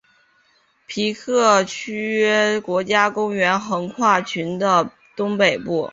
皮克区国家公园横跨郡的东北部。